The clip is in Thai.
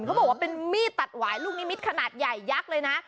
เขาบอกว่าเป็นมีดตัดหวายลูกนิมิตขนาดใหญ่ยักษ์เลยนะ